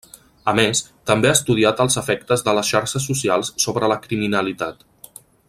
A més, també ha estudiat els efectes de les xarxes socials sobre la criminalitat.